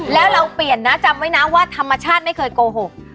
แล้วเราเปลี่ยนนะจำไว้นะว่าธรรมชาติไม่เคยโกหก